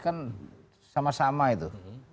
kan sama sama itu